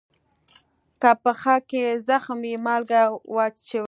که پښه کې زخم وي، مالګه یې وچوي.